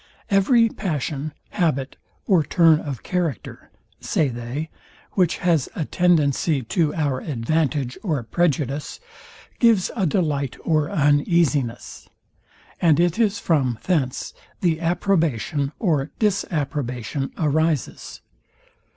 Every passion, habit, or turn of character (say they) which has a tendency to our advantage or prejudice, gives a delight or uneasiness; and it is from thence the approbation or disapprobation arises.